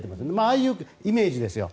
ああいうイメージですよ。